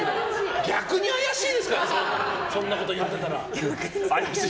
逆に怪しいですからねそんなこと言ってたら。